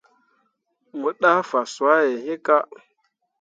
Mo ɗah fazwãhe iŋ kah.